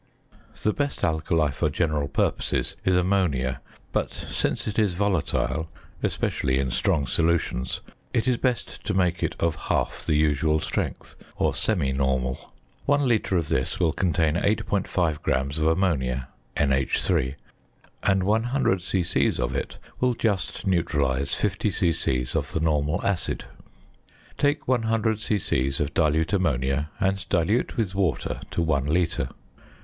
"_ The best alkali for general purposes is ammonia, but, since it is volatile (especially in strong solutions), it is best to make it of half the usual strength, or semi normal. One litre of this will contain 8.5 grams of ammonia (NH_), and 100 c.c. of it will just neutralise 50 c.c. of the normal "acid." Take 100 c.c. of dilute ammonia and dilute with water to one litre.